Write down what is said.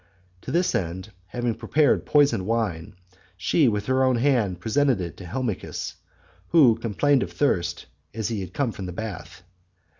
To this end, having prepared poisoned wine, she with her own hand presented it to Helmichis, who complained of thirst as he came from the bath.